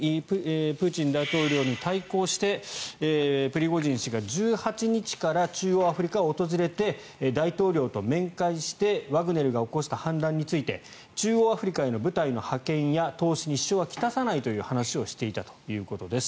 プーチン大統領に対抗してプリゴジン氏が１８日から中央アフリカを訪れて大統領と面会してワグネルが起こした反乱について中央アフリカへの部隊の派遣や投資に支障は来さないという話をしていたということです。